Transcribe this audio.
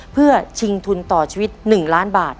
เพื่อชิงทุนต่อชีวิต๑ล้านบาท